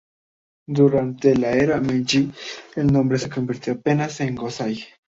Durante la era Meiji, el nombre se convirtió apenas en Go-Sai.